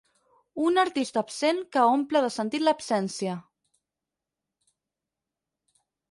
Un artista absent que omple de sentit l'absència.